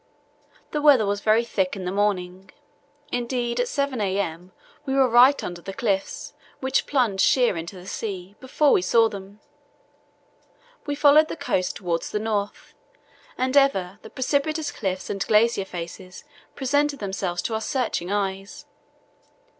The weather was very thick in the morning. Indeed at 7 a.m. we were right under the cliffs, which plunged sheer into the sea, before we saw them. We followed the coast towards the north, and ever the precipitous cliffs and glacier faces presented themselves to our searching eyes.